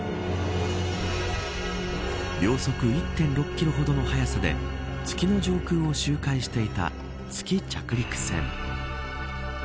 秒速１６キロほどの速さで月の上空を周回していた月着陸船。